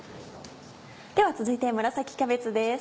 では続いて紫キャベツです。